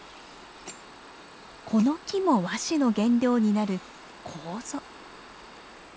この木も和紙の原料になるコウゾ。